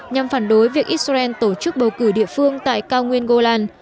nhằm phản đối việc israel tổ chức bầu cử địa phương tại cao nguyên golan